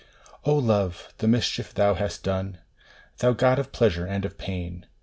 LOVE ! the mischief thou hast done ! Thou god of pleasure and of pain !